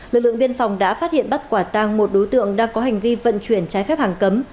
lực lượng biên phòng đã phát hiện bắt quả tang một đối tượng đang có hành vi vận chuyển trái phép hàng cấm